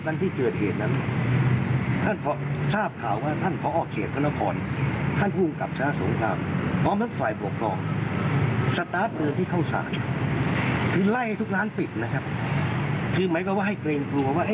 คือไหมก็ว่าให้เกรงปลัวว่า